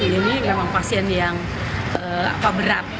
ini memang pasien yang berat